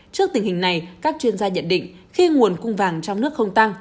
trước tình hình này các chuyên gia nhận định khi nguồn cung vàng trong nước không tăng